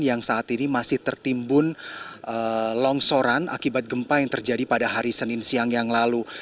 yang saat ini masih tertimbun longsoran akibat gempa yang terjadi pada hari senin siang yang lalu